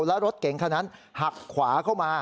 แล้วรถเก๋งคันนั้นหักขวาเข้ามา